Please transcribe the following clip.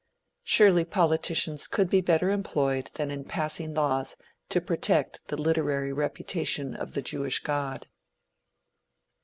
Surely politicians could be better employed than in passing laws to protect the literary reputation of the Jewish God.